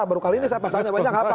baru kali ini pasalnya banyak nggak apa